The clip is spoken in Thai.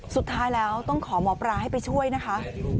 สุดท้ายแล้วต้องขอหมอปลาให้ไปช่วยนะคะ